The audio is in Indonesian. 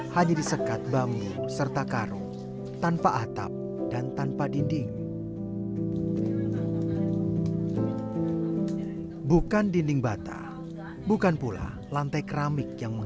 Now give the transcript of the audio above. hanya disekat bambu serta karung tanpa atap dan tanpa dinding